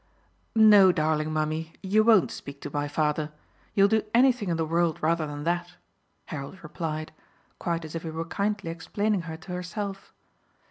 "No, darling mummy, you won't speak to my father you'll do anything in the world rather than that," Harold replied, quite as if he were kindly explaining her to herself.